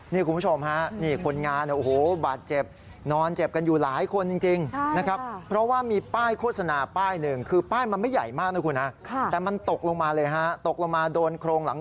นี่คุณผู้ชมคนงานบาดเจ็บนอนเจ็บกันอยู่หลายคนจริง